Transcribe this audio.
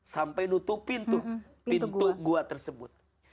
sampai nutup pintu gua tersebut